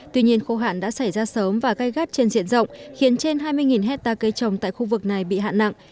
tuy nhiên khâu hạn đã xảy ra sớm và gai gắt trên diện rộng khiến trên hai mươi hectare cây trồng tại khu vực này bị hạn nặng